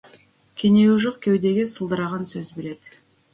Кенеуі жоқ кеудеге сылдыраған сөз береді.